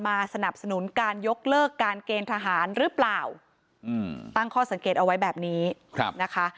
สนับสนุนการยกเลิกการเกณฑ์ทหารหรือเปล่าตั้งข้อสังเกตเอาไว้แบบนี้นะคะ